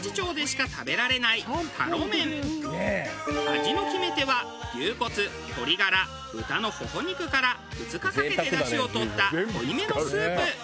味の決め手は牛骨鶏ガラ豚のほほ肉から２日かけてだしをとった濃いめのスープ。